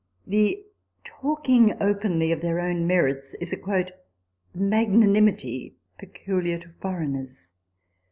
The talking openly of their own merits is a " mag nanimity " peculiar to foreigners.